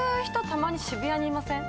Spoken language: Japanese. たまに渋谷にいません？